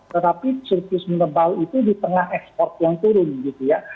tetapi surplus menebal itu di tengah ekspor yang turun gitu ya